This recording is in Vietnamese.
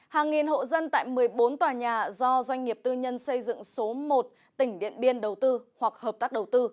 hàng nghìn hộ dân tại một mươi bốn tòa nhà do doanh nghiệp tư nhân xây dựng số một tỉnh điện biên đầu tư hoặc hợp tác đầu tư